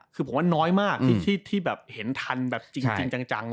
คือผมว่าน้อยมากที่ที่ที่แบบเห็นทันแบบจริงจริงจังจังเลย